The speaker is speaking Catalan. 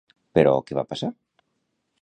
Però què va passar?